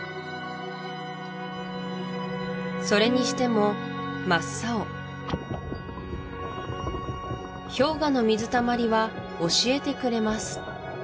それにしても真っ青氷河の水たまりは教えてくれます